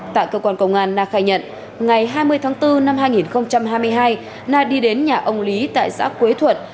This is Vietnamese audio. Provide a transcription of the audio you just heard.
tại cơ quan công an na khai nhận ngày hai mươi tháng bốn năm hai nghìn hai mươi hai na đi đến nhà ông lý tại xã quế thuận